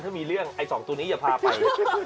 ถ้ามีเรื่องไอ้๒ตัวนี้อย่าพาไป